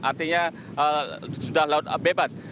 artinya sudah laut bebas